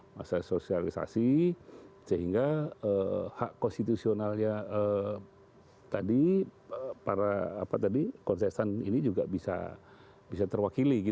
masalah sosialisasi sehingga hak konstitusionalnya tadi para apa tadi konsesan ini juga bisa terwakil